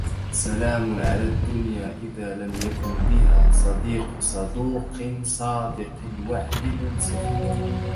سلام على الدنيا إذا لم يكن بها... صديق صدوق صادق الوعد منصفا